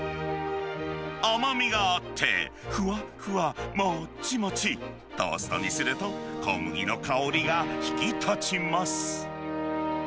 甘みがあって、ふわっふわ、もっちもち、トーストにすると、小麦の香りが引き立ちます。